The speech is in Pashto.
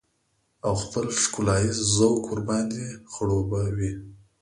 او خپل ښکلاييز ذوق ورباندې خړوبه وي.